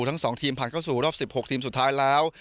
ทั้ง๒ทีมผ่านเข้าสู่รอบ๑๖ทีมสุดท้ายแล้ว